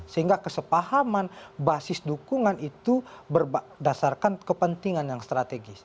sehingga kesepahaman basis dukungan itu berdasarkan kepentingan yang strategis